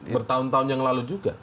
bertahun tahun yang lalu juga